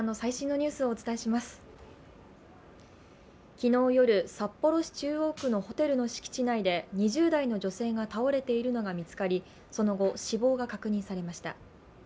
昨日夜、札幌市中央区のホテルの敷地内で２０代の女性が倒れているのが見つかり、その後、死亡が確認されました。